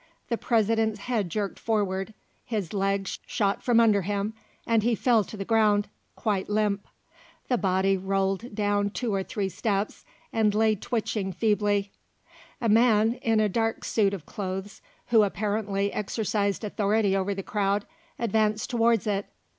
The President's head jerked forward, his legs shot from under him and he fell to the ground, quite limp. The body rolled down two or three steps and lay twitching feebly. A man in a dark suit of clothes, and who apparently exercised authority over the crowd, advanced towards it.